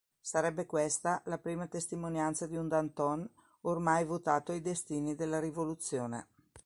Sarebbe questa la prima testimonianza di un Danton ormai votato ai destini della Rivoluzione.